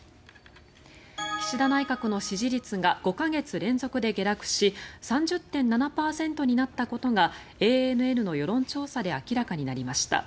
岸田内閣の支持率が５か月連続で下落し３０．７％になったことがＡＮＮの世論調査で明らかになりました。